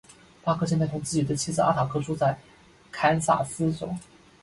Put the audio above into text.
巴克现在同自己的妻子阿塔克住在堪萨斯州。